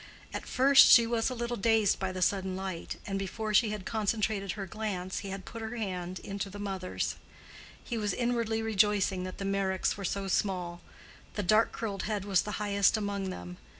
At first she was a little dazed by the sudden light, and before she had concentrated her glance he had put her hand into the mother's. He was inwardly rejoicing that the Meyricks were so small: the dark curled head was the highest among them.